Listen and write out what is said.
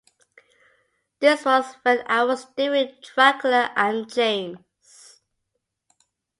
This was when I was doing Dracula and chains.